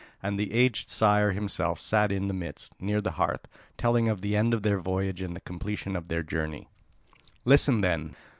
And the aged sire himself sat in the midst, near the hearth, telling of the end of their voyage and the completion of their journey: "Listen then.